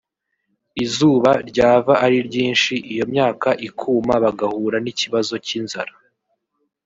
izuba ryava ari ryinshi iyo myaka ikuma bagahura n’ikibazo cy’inzara